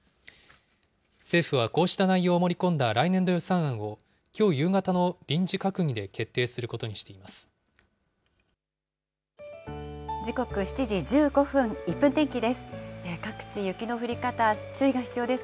政府はこうした内容を盛り込んだ来年度予算案を、きょう夕方の臨時閣議で決定することにしています。